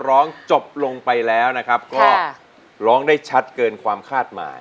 ร้องจบลงไปแล้วนะครับก็ร้องได้ชัดเกินความคาดหมาย